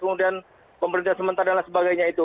kemudian pemerintah sementara dan lain sebagainya itu